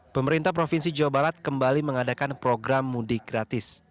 pemerintah provinsi jawa barat kembali mengadakan program mudik gratis